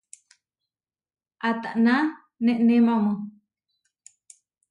¿Atána neʼnémamu?